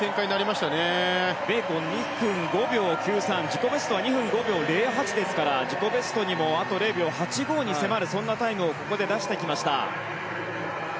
自己ベストは２分５秒０８ですから自己ベストにもあと０秒８５に迫るそんなタイムをここで出してきました。